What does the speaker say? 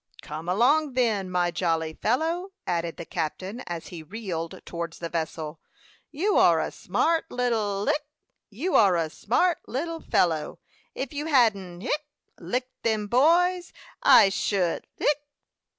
"Come along, then, my jolly fellow," added the captain, as he reeled towards the vessel. "You are a smart little hic you are a smart little fellow. If you hadn't hic licked them boys, I should hic."